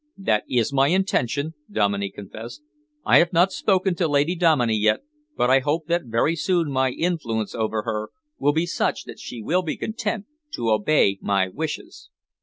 "That is my intention," Dominey confessed. "I have not spoken to Lady Dominey yet, but I hope that very soon my influence over her will be such that she will be content to obey my wishes.